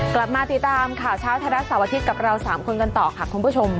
กลับมาติดตามข่าวเช้าไทยรัฐเสาร์อาทิตย์กับเรา๓คนกันต่อค่ะคุณผู้ชม